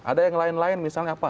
ada yang lain lain misalnya apa